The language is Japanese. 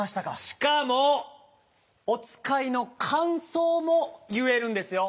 しかもおつかいのかんそうもいえるんですよ。